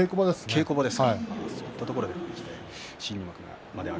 稽古場です。